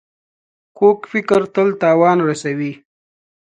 کوږ فکر تل تاوان رسوي